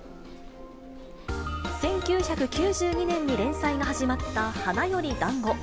１９９２年に連載が始まった花より男子。